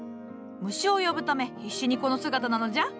虫を呼ぶため必死にこの姿なのじゃ。